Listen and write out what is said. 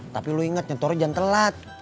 tapi lo inget nyentornya jangan telat